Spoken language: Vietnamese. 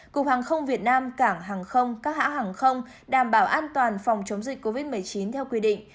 cục hàng không việt nam cảng hàng không các hãng hàng không đảm bảo an toàn phòng chống dịch covid một mươi chín theo quy định